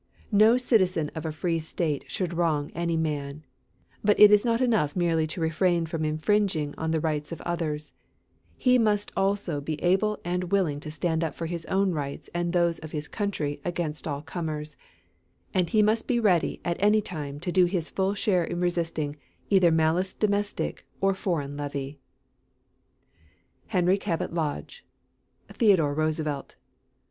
No citizen of a free state should wrong any man; but it is not enough merely to refrain from infringing on the rights of others; he must also be able and willing to stand up for his own rights and those of his country against all comers, and he must be ready at any time to do his full share in resisting either malice domestic or foreign levy. HENRY CABOT LODGE. THEODORE ROOSEVELT.